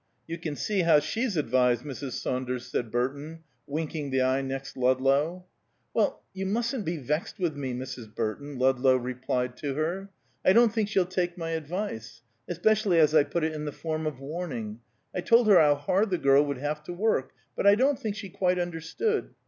"You can see how she's advised Mrs. Saunders," said Burton, winking the eye next Ludlow. "Well, you mustn't be vexed with me, Mrs. Burton," Ludlow replied to her. "I don't think she'll take my advice, especially as I put it in the form of warning. I told her how hard the girl would have to work: but I don't think she quite understood.